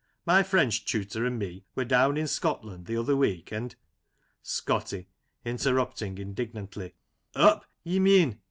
My French tutor and me were down in Scotland the other week, and ScoTTY {interrupting indignantly) : Up^ ye mean